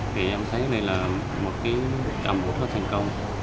thì em thấy đây là một cái cảm ơn rất là thành công